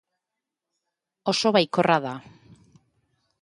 Oso baikorra da.